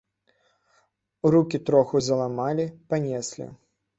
Рукі троху заламалі, панеслі.